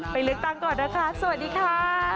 ไปเลือกตั้งก่อนนะคะสวัสดีค่ะ